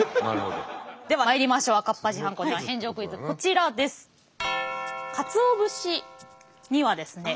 こちらです。